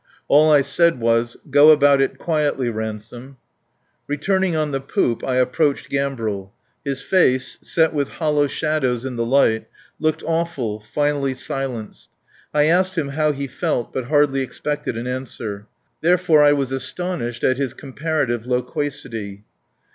All I said was: "Go about it quietly, Ransome." Returning on the poop I approached Gambril. His face, set with hollow shadows in the light, looked awful, finally silenced. I asked him how he felt, but hardly expected an answer. Therefore, I was astonished at his comparative loquacity.